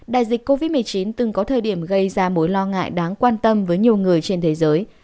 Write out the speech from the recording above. đại dịch covid một mươi chín từng có thời điểm gây ra mối lo ngại đáng quan tâm với nhiều người trên thế giới